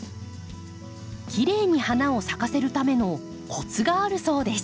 きれいに花を咲かせるためのコツがあるそうです。